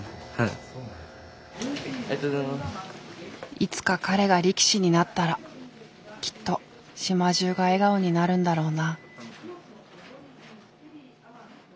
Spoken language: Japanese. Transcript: いつか彼が力士になったらきっと島中が笑顔になるんだろうな。